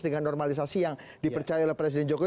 dengan normalisasi yang dipercaya oleh presiden jokowi